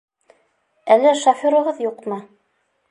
— Әллә шоферығыҙ юҡмы?